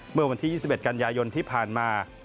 เมื่อวันที่๒๑กันยายนที่ผ่านมา